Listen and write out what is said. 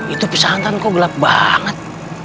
itu pisah hantar kok gelap banget